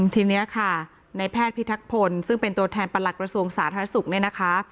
ทีนี้ค่ะในแพทย์พิทักพลซึ่งเป็นตัวแทนประหลักกระทรวงสาธารณสุขเนี่ยนะคะ